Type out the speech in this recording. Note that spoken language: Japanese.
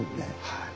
はい。